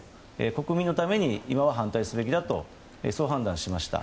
国民のために今は反対すべきだとそう判断しました。